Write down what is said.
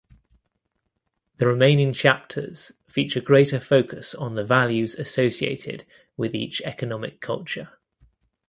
The remaining chapters feature greater focus on the values associated with each economic culture.